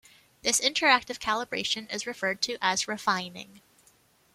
This interactive calibration is referred to as "refining".